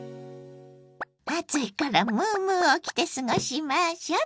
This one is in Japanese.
暑いからムームーを着て過ごしましょ！